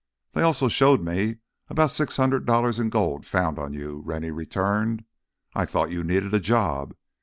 "They also showed me about six hundred dollars in gold found on you," Rennie returned. "I thought you needed a job.